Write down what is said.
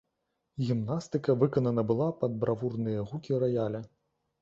Гімнастыка выканана была пад бравурныя гукі раяля.